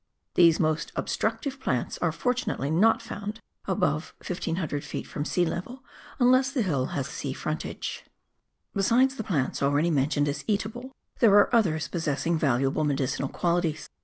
These most obstructive plants are fortunately not found often above 1,500 ft. from sea level, unless the hill has a sea frontage. Besides the plants already mentioned as eatable, there are others possessing valuable medicinal qualities.